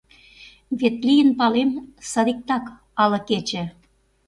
Вет лийын, палем, садиктак алэ кече